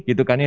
gitu kan ya